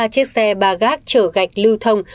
chiếc xe ba gác chở gạch lưu thông